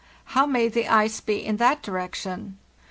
How may the 'ice be in that direction?